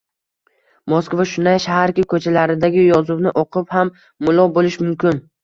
Moskva shunday shaharki, ko‘chalaridagi yozuvni o‘qib ham mullo bo‘lish mumkin.